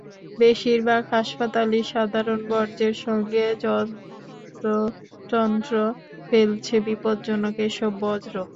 বেশির ভাগ হাসপাতালই সাধারণ বর্জ্যের সঙ্গে যত্রতত্র ফেলছে বিপজ্জনক এসব বর্জ্য।